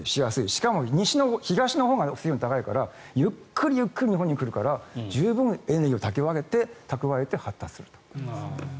しかも東のほうが水温が高いからゆっくりゆっくり日本に来るから十分エネルギーを蓄えて発達すると。